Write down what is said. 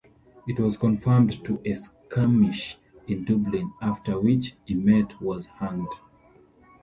It was confined to a skirmish in Dublin, after which Emmet was hanged.